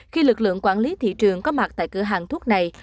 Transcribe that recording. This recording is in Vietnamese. khi lực lượng quản lý thị trường có mặt tại cửa hàng thuốc này